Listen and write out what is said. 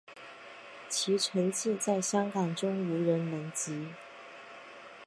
其成绩在香港中无人能及。